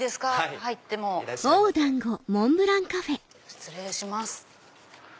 失礼します。